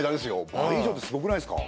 倍以上ってすごくないですか。